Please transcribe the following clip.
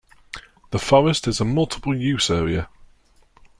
The forest is a multiple use area.